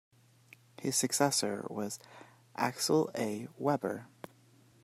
His successor was Axel A. Weber.